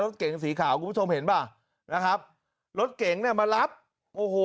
เก่งสีขาวคุณผู้ชมเห็นป่ะนะครับรถเก๋งเนี่ยมารับโอ้โห